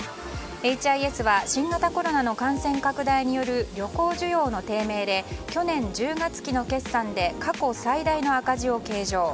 エイチ・アイ・エスは新型コロナの感染拡大による旅行需要の低迷で去年１０月からの決算で過去最大の赤字を計上。